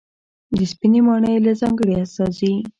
د سپینې ماڼۍ له ځانګړې استازي